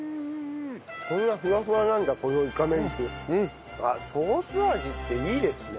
こんなフワフワなんだこのイカメンチ。あっソース味っていいですね。